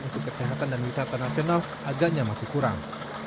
untuk kesehatan dan wisata nasional agaknya masih kurang